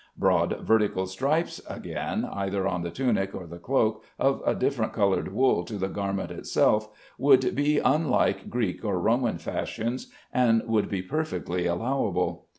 Broad vertical stripes again, either on the tunic or the cloak, of a different colored wool to the garment itself, would be unlike Greek or Roman fashions, and would be perfectly allowable.